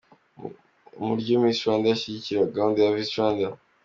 Umuryo Miss Rwanda yashyigikira gahunda ya Visit Rwanda.